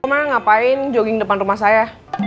ma ngapain jogging depan rumah saya